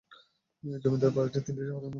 এই জমিদার বাড়িটি তিনটি নামে পরিচিত।